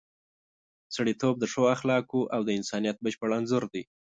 سړیتوب د ښو اخلاقو او د انسانیت بشپړ انځور دی.